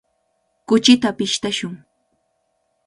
Kuchita pishtashun.